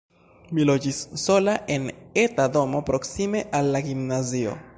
Mi loĝis sola en eta domo, proksime al la gimnazio.